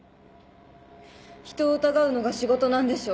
人を疑うのが仕事なんでしょ？